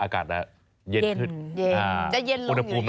มันเย็นขึ้น